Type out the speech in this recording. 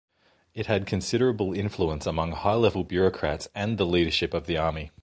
It had considerable influence among high-level bureaucrats and the leadership of the army.